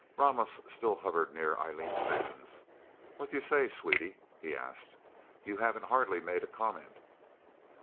Ramos still hovered near Eileen Sands. "What do you say, Sweetie?" he asked. "You haven't hardly made a comment."